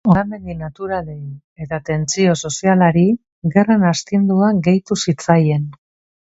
Hondamendi naturalei eta tentsio sozialari gerren astindua gehitu zitzaien.